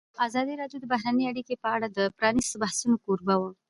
ازادي راډیو د بهرنۍ اړیکې په اړه د پرانیستو بحثونو کوربه وه.